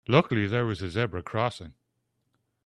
Luckily there was a zebra crossing.